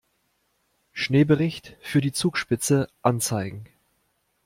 Schneebericht für die Zugspitze anzeigen.